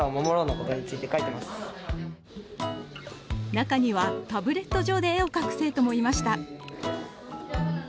中には、タブレット上で絵を描く生徒もいました。